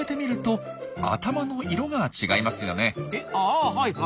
あはいはい。